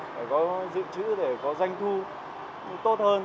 phải có giữ chữ để có doanh thu tốt hơn